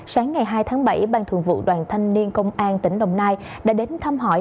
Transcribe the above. sáng ngày hai tháng bảy ban thường vụ đoàn thanh niên công an tỉnh đồng nai đã đến thăm hỏi